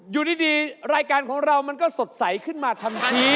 อยู่ดีรายการของเรามันก็สดใสขึ้นมาทันที